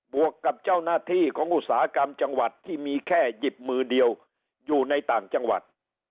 วกกับเจ้าหน้าที่ของอุตสาหกรรมจังหวัดที่มีแค่หยิบมือเดียวอยู่ในต่างจังหวัด